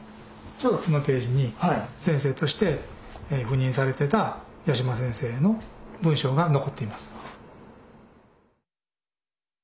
ちょうどこのページに先生として赴任されてた八嶋先生の文章が残っています。